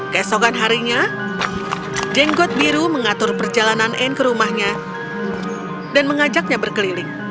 keesokan harinya jenggot biru mengatur perjalanan anne ke rumahnya dan mengajaknya berkeliling